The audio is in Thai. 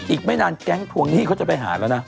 อีกไม่นานแก๊งทวงหนี้เขาจะไปหาแล้วนะ